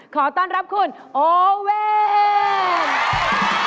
ขอต้อนรับคุณโอเวน